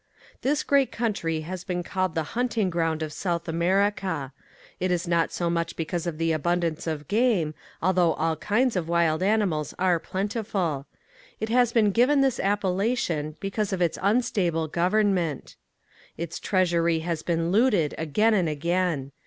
This great country has been called the hunting ground of South America. This is not so much because of the abundance of game, although all kinds of wild animals are plentiful; it has been given this appellation because of its unstable government. Its treasury has been looted again and again.